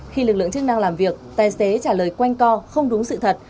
khi lực lượng chức năng làm việc tài xế trả lời quanh co không đúng sự thật